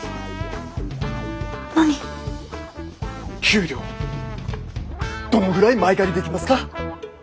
給料どのぐらい前借りできますか？